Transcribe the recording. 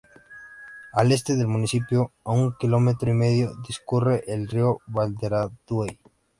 Al este del municipio, a un kilómetro y medio, discurre el río Valderaduey.